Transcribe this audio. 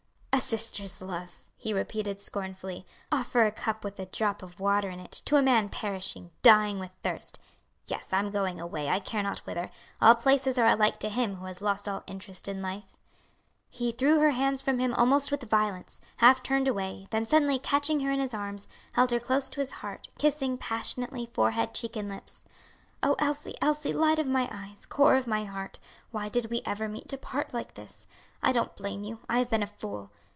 "A sister's love!" he repeated scornfully. "Offer a cup with a drop of water in it, to a man perishing, dying with thirst. Yes, I'm going away, I care not whither; all places are alike to him who has lost all interest in life." He threw her hands from him almost with violence, half turned away, then suddenly catching her in his arms, held her close to his heart, kissing passionately, forehead, cheek, and lips. "Oh, Elsie, Elsie, light of my eyes, core of my heart, why did we ever meet to part like this? I don't blame you. I have been a fool.